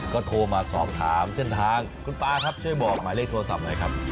ก็โทรมาสอบถามเส้นทางคุณป๊าครับช่วยบอกหมายเลขโทรศัพท์หน่อยครับ